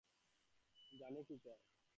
জানি না কি চায়।